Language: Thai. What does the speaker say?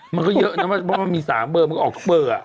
มันก็เยอะนะเพราะมันมี๓เบอร์มันก็ออกเบอร์